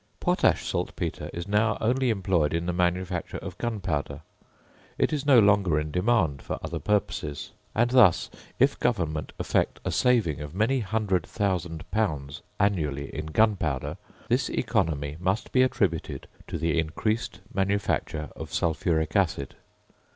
Potash saltpetre is now only employed in the manufacture of gunpowder; it is no longer in demand for other purposes; and thus, if Government effect a saving of many hundred thousand pounds annually in gunpowder, this economy must be attributed to the increased manufacture of sulphuric acid.